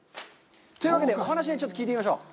というわけで、お話を聞いてみましょう。